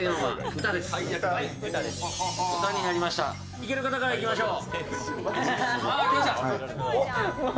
いける方からいきましょう。